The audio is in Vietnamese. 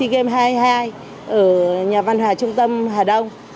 tôi đã phục vụ sea games hai mươi hai ở nhà văn hóa trung tâm hà đông